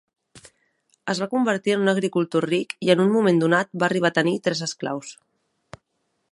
Es va convertir en un agricultor ric i en un moment donat va arribar a tenir tres esclaus.